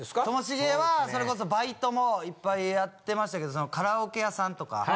ともしげはそれこそバイトもいっぱいやってましたけどカラオケ屋さんとか。